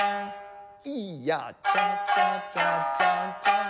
イヤチャチャチャチャチャン。